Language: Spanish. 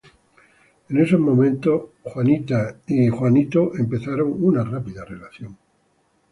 En esos momentos Cindy y John empezaron una rápida relación.